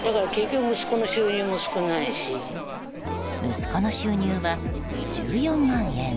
息子の収入は１４万円。